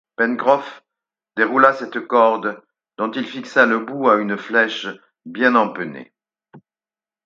Pencroff déroula cette corde, dont il fixa le bout à une flèche bien empennée.